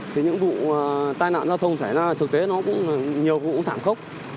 thì những vụ tai nạn giao thông thảy ra thực tế nó cũng nhiều vụ thảm khốc